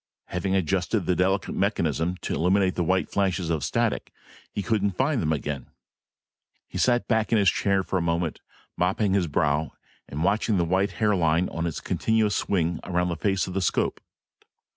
Having adjusted the delicate mechanism to eliminate the white flashes of static, he couldn't find them again. He sat back in his chair for a moment, mopping his brow and watching the white hairline in its continuous swing around the face of the scope.